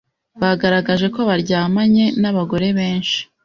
bagaragaje ko baryamanye n’abagore benshi